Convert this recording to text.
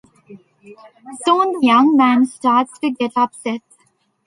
Soon the young man starts to get upset.